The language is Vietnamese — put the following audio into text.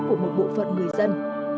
của một bộ phận người dân